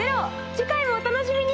次回もお楽しみに！